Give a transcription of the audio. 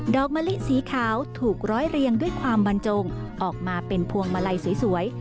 อกมะลิสีขาวถูกร้อยเรียงด้วยความบรรจงออกมาเป็นพวงมาลัยสวย